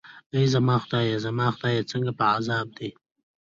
ای زما خدایه، زما خدای، څنګه په عذاب دی.